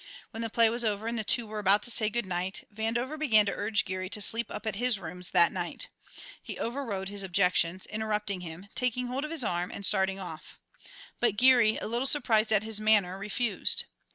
When the play was over and the two were about to say good night, Vandover began to urge Geary to sleep up at his rooms that night. He overrode his objections, interrupting him, taking hold of his arm, and starting off. But Geary, a little surprised at his manner, refused.